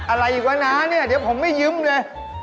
อะไรกับน้านี่เดี๋ยวผมไม่ยืมเลย